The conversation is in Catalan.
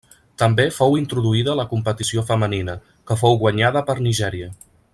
També fou introduïda la competició femenina, que fou guanyada per Nigèria.